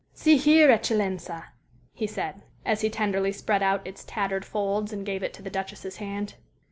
"See here, eccellenza," he said, as he tenderly spread out its tattered folds and gave it into the Duchess's hand.